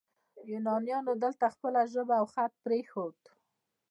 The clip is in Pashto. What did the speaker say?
یونانیانو دلته خپله ژبه او خط پریښود